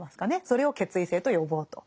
それを決意性と呼ぼうと。